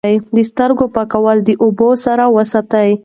د سترګو پاکوالی د اوبو سره وساتئ.